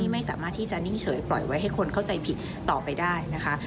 ไม่สามารถที่จะนิ่งเฉยปล่อยไว้ให้คนเข้าใจผิดต่อไปได้นะคะ